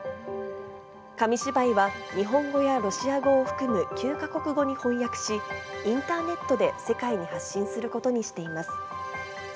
紙芝居は、日本語やロシア語を含む９か国語に翻訳し、インターネットで世界に発信することにしています。